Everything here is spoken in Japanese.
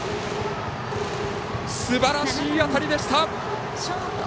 すばらしい当たりでした！